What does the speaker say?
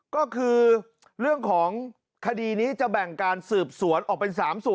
ก็คือเรื่องของคดีนี้จะแบ่งการสืบสวนออกเป็น๓ส่วน